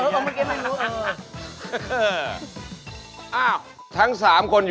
ผมมาง่วง